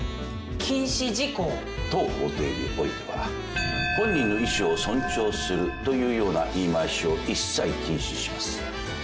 当法廷においては「本人の意思を尊重する」というような言い回しを一切禁止します。